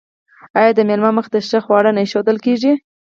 آیا د میلمه مخې ته ښه خواړه نه ایښودل کیږي؟